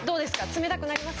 冷たくなります？